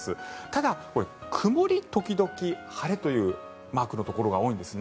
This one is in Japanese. ただ、曇り時々晴れというマークのところが多いんです。